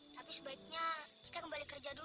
tapi sebaiknya kita kembali kerja dulu